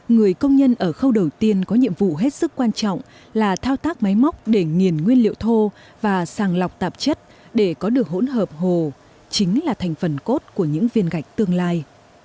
người công nhân ở khâu đầu tiên có nhiệm vụ hết sức quan trọng là thao tác máy móc để nghiền nguyên liệu thô và sàng lọc tạp chất để có được hỗn hợp hồ chính là thành phần cốt của những viên gạch tương lai